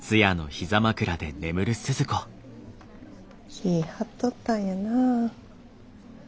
気ぃ張っとったんやな。